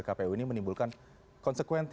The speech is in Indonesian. kenapa mbak titi erode